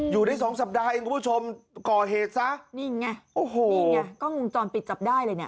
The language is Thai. อยู่ได้สองสัปดาห์เองคุณผู้ชมก่อเหตุซะนี่ไงนี่ไงก็งุมตอนปิดสัปดาห์เลยเนี่ย